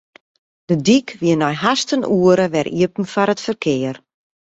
De dyk wie nei hast in oere wer iepen foar it ferkear.